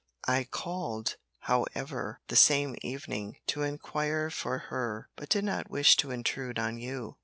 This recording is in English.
I called, however, the same evening, to inquire for her, but did not wish to intrude on you."